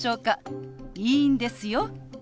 いいんですよ。